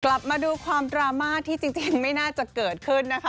กลับมาดูความดราม่าที่จริงไม่น่าจะเกิดขึ้นนะคะ